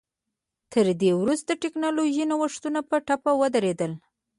تر دې وروسته ټکنالوژیکي نوښتونه په ټپه ودرېدل